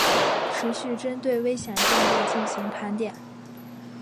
持续针对危险建筑进行盘点